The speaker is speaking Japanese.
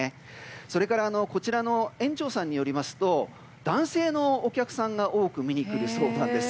それから、園長さんによりますと男性のお客さんがたくさん見に来るそうなんです。